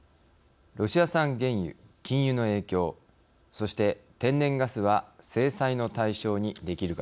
ロシア産原油禁輸の影響そして天然ガスは制裁の対象にできるかです。